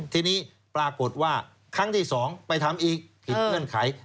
ทีนี้ปรากฏว่าครั้งที่๒ไปทำอีกผิดเงื่อนไข